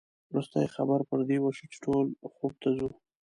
وروستۍ خبره پر دې وشوه چې ټول خوب ته ځو.